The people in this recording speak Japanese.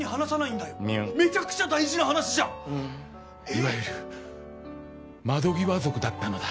いわゆる窓際族だったのだ。